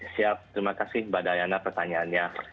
siap terima kasih kepada ayanna pertanyaannya